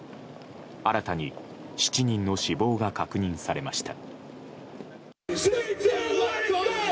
新たに７人の死亡が確認されました。